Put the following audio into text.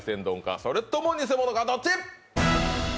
それとも偽物か、どっち。